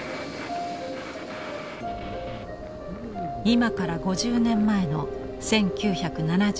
今から５０年前の１９７２年９月。